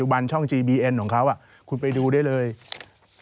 เวลาไปคุณไปดูเลยย้อนหลัง